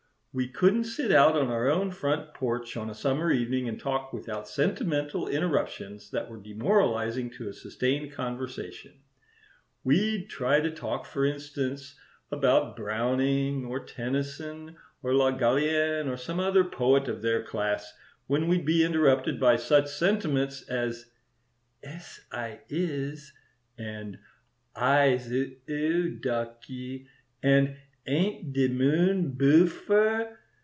We couldn't sit out on our own front porch on a summer evening and talk without sentimental interruptions that were demoralizing to a sustained conversation. We'd try to talk, for instance, about Browning, or Tennyson, or Le Gallienne, or some other poet of their class, when we'd be interrupted by such sentiments as, 'Ess I is,' and 'I's oo ducky,' and 'Ain't de moon boofer?'